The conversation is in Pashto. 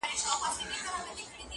زړونه نسته په سینو کي د شاهانو!!